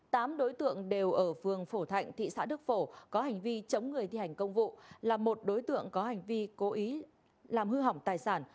tám đối tượng đều ở phường phổ thạnh thị xã đức phổ có hành vi chống người thi hành công vụ là một đối tượng có hành vi cố ý làm hư hỏng tài sản